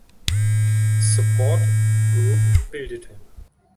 Support Group bildete.